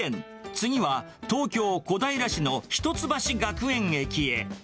次は、東京・小平市の一橋学園駅へ。